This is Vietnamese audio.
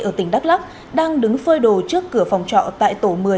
ở tỉnh đắk lắc đang đứng phơi đồ trước cửa phòng trọ tại tổ một mươi